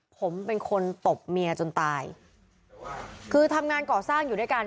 ผมเป็นคนตบเมียจนตายคือทำงานก่อสร้างอยู่ด้วยกัน